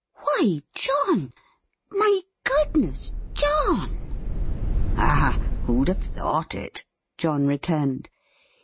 "Why, John! My Goodness, John!" "Ah! who'd have thought it!" John returned.